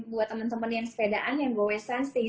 buat teman teman yang sepedaan yang go wesan stay safe pokoknya